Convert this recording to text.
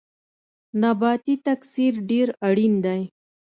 نباتي تکثیر ډیر اړین دی